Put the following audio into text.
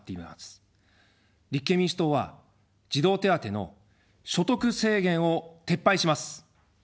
立憲民主党は児童手当の所得制限を撤廃します。